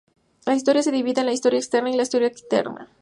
La historia se divide en la historia externa y la historia interna.